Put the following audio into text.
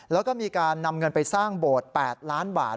แล้วก็มีการนำเงินไปสร้างโบสถ์๘ล้านบาท